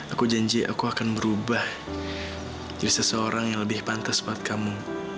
aku janji aku akan berubah jadi seseorang yang lebih pantas buat kamu